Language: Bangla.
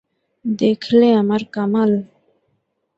দেখলে আমার কামাল!